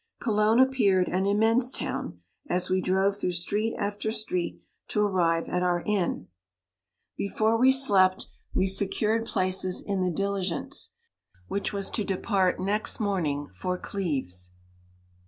Cologne appeared an immense town, as we drove through street after street to arrive at our inn. Before we slept, n we secured places in the diligence, which was to depart next morning for Cleves.